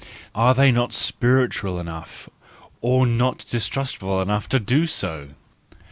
Are they not spiritual enough, or not distrustful enough to do so?